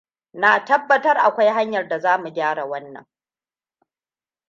Na tabbatar, akwai hanyar da za mu gyara wannan.